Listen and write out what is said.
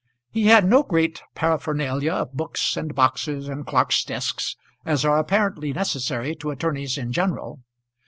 He had no great paraphernalia of books and boxes and clerks' desks, as are apparently necessary to attorneys in general.